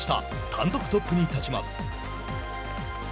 単独トップに立ちます。